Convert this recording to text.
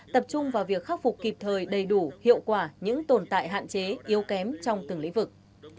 tập trung vào việc khắc phục kịp thời đầy đủ hiệu quả những tồn tại hạn chế yếu kém trong từng lĩnh vực